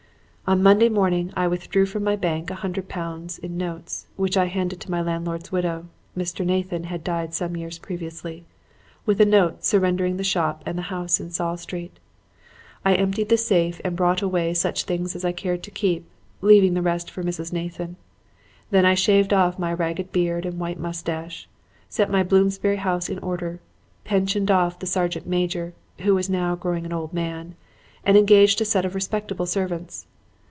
"On Monday morning I withdrew from my bank a hundred pounds in notes, which I handed to my landlord's widow Mr. Nathan had died some years previously with a note surrendering the shop and house in Saul Street. I emptied the safe and brought away such things as I cared to keep, leaving the rest for Mrs. Nathan. Then I shaved off my ragged beard and white mustache, set my Bloomsbury house in order, pensioned off the sergeant major (who was now growing an old man) and engaged a set of respectable servants.